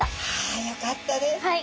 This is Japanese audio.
あよかったです。